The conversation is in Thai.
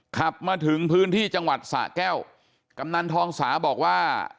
ขับมาถึงพื้นที่จังหวัดสะแก้วกำนันทองสาบอกว่า